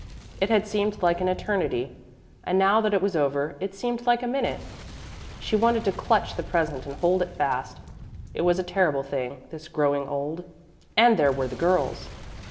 It had seemed like an eternity; and now that it was over it seemed like a minute. She wanted to clutch the present and hold it fast. It was a terrible thing this growing old. And there were the girls.